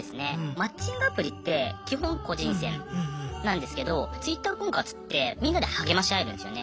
マッチングアプリって基本個人戦なんですけどＴｗｉｔｔｅｒ婚活ってみんなで励まし合えるんですよね。